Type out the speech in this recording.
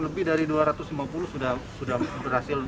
lebih dari dua ratus lima puluh sudah berhasil